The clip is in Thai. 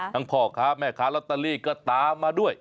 ให้คุณแม่ขาลอตเตอรี่ก็ตามมาด้วย